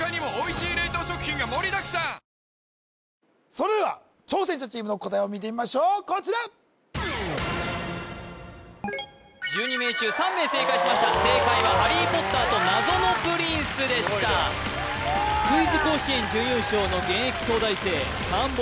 それでは挑戦者チームの答えを見てみましょうこちら１２名中３名正解しました正解は「ハリー・ポッターと謎のプリンス」でしたクイズ甲子園準優勝の現役東大生反保